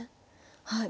はい。